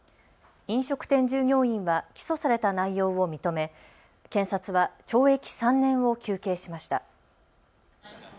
飲食店従業員は起訴された内容を認め検察は懲役３年を求刑しました。